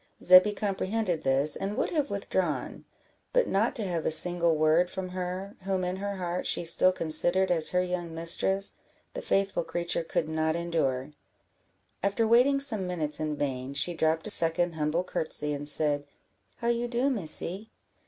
Zebby comprehended this, and would have withdrawn; but not to have a single word from her, whom in her heart, she still considered as her young mistress, the faithful creature could not endure; after waiting some minutes in vain, she dropped a second humble courtesy, and said "How you do, Missy?